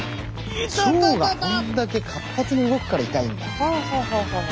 腸がこんだけ活発に動くから痛いんだ。